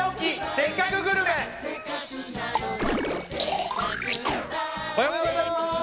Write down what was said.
その名もおはようございます！